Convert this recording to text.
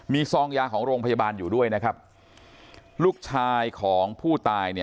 มีซองยาของโรงพยาบาลอยู่ด้วยนะครับลูกชายของผู้ตายเนี่ย